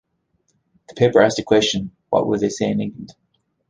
The paper asked the question What will they say in England?